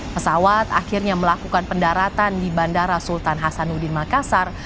pesawat akhirnya melakukan pendaratan di bandara sultan hasanuddin makassar